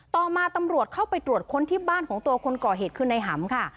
ต่อมาตำรวจเข้าไปตรวจค้นที่บ้านของตัวคนก่อเหตุคือในหำค่ะ